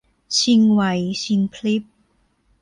ชิงไหวชิงพริบ